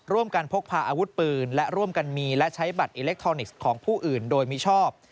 พกพาอาวุธปืนและร่วมกันมีและใช้บัตรอิเล็กทรอนิกส์ของผู้อื่นโดยมิชอบ